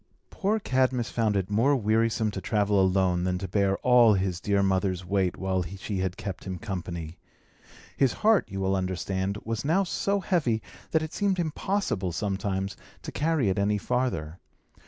Poor Cadmus found it more wearisome to travel alone than to bear all his dear mother's weight while she had kept him company. His heart, you will understand, was now so heavy that it seemed impossible, sometimes, to carry it any farther.